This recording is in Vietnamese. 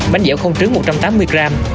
bánh dẻo không trứng một trăm tám mươi g